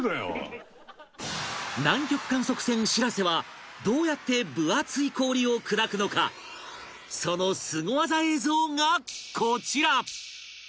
南極観測船しらせはどうやって分厚い氷を砕くのかそのスゴ技映像がこちら！